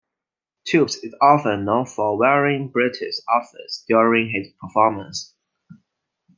Toups is often known for wearing bright outfits during his performances.